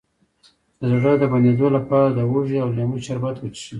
د زړه د بندیدو لپاره د هوږې او لیمو شربت وڅښئ